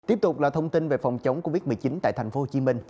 tiếp tục là thông tin về phòng chống covid một mươi chín tại tp hcm